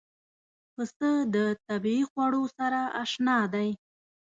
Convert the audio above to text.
پسه د طبیعي خوړو سره اشنا دی.